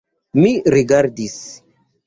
Mi rigardis.